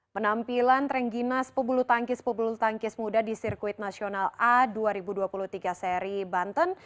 penampilan trengimas pebulu tangkis pebulu tangkis muda di sirkuit nasional a dua ribu dua puluh tiga seri banten